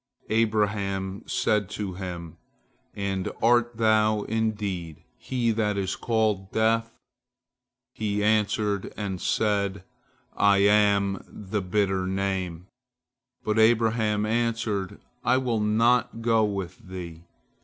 Abraham said to him, "And art thou, indeed, he that is called Death?" He answered, and said, "I am the bitter name," but Abraham answered, "I will not go with thee."